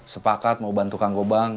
sepakat mau bantu kang gobang